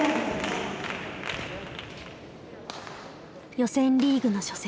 予選リーグの初戦。